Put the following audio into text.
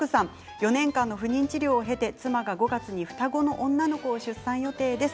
４年間の不妊治療を経て妻が、５月に双子の女の子を出産予定です。